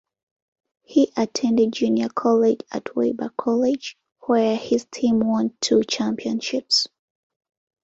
He attended junior college at Weber College, where his team won two championships.